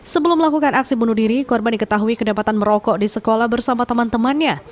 sebelum melakukan aksi bunuh diri korban diketahui kedapatan merokok di sekolah bersama teman temannya